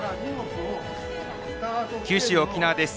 九州・沖縄です。